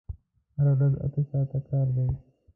هره ورځ اته ساعته کار دی!